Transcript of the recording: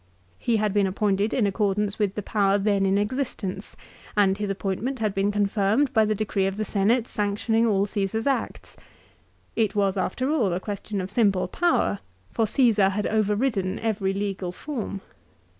He had been appointed in accordance with the power then in exist ence, and his appointment had been confirmed by the decree of the Senate sanctioning all Caesar's acts. It was after all a question of simple power, for Caesar had overridden every legal form.